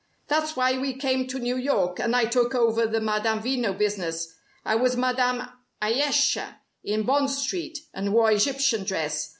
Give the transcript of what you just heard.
That's why we came to New York, and I took over the 'Madame Veno' business. I was 'Madame Ayesha' in Bond Street, and wore Egyptian dress.